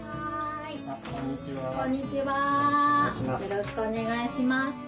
よろしくお願いします。